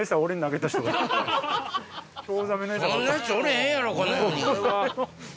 そんなやつおれへんやろこの世に。